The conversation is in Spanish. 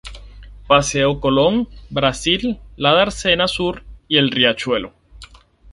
Paseo Colón, Brasil, la Dársena Sur y el Riachuelo.